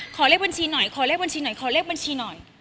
ขอเลขบัญชีหน่อยขอเลขบัญชีหน่อยขอเลขบัญชีหน่อย